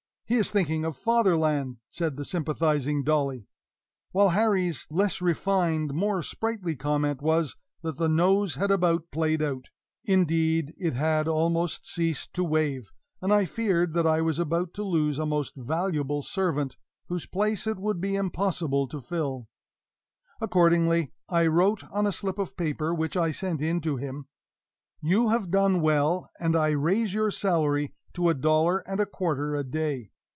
"He is thinking of Fatherland," said the sympathizing Dolly; while Harry's less refined but more sprightly comment was, that the nose had about played out. Indeed, it had almost ceased to wave; and I feared that I was about to lose a most valuable servant, whose place it would be impossible to fill. Accordingly, I wrote on a slip of paper, which I sent in to him: "You have done well, and I raise your salary to a dollar and a quarter a day.